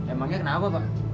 emangnya kenapa pak